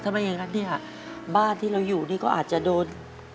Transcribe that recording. ถ้าไม่อย่างนั้นเนี่ยบ้านที่เราอยู่นี่ก็อาจจะโดน